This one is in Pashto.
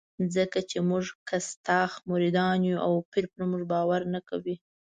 ځکه چې موږ کستاخ مریدان یو او پیر پر موږ باور نه کوي.